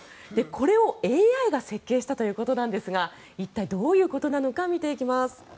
これをＡＩが設計したということですが一体、どういうことなのか見ていきます。